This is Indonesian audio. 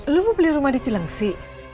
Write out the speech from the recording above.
lu mau beli rumah di cilengsi